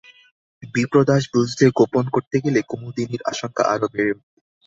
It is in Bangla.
বিপ্রদাস বুঝলে গোপন করতে গেলে কুমুদিনীর আশঙ্কা আরো বেড়ে উঠবে।